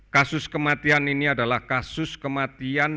kasus kematian ini adalah kasus kematian